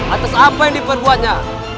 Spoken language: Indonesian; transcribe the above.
atas apa yang diperbuatnya